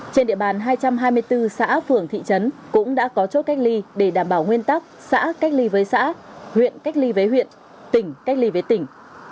trên địa bàn hai trăm hai mươi bốn xã phường thị trấn cũng đã có chốt cách ly để đảm bảo nguyên tắc xã cách ly với xã huyện cách ly với huyện tỉnh cách ly với tỉnh